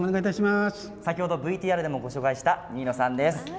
先ほどＶＴＲでもご紹介した新野さんです。